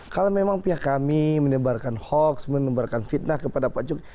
kalau memang pihak kami menebarkan hoax menebarkan fitnah kepada pak jokowi